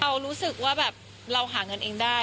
เรารู้สึกว่าแบบเราหาเงินเองได้